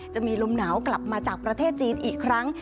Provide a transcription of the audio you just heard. จะมีลมหนาวกลับมาจากประเทศจีนอีกครั้ง